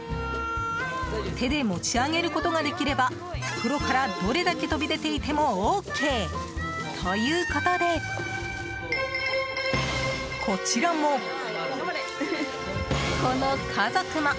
手で持ち上げることができれば袋からどれだけ飛び出ていてもＯＫということでこちらも、この家族も。